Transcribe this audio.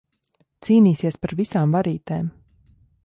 Cīnīsies par visām varītēm.